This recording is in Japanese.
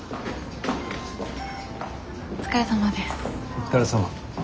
お疲れさまです。